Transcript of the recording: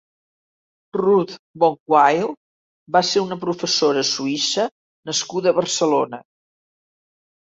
Ruth von Wild va ser una professora suïssa nascuda a Barcelona.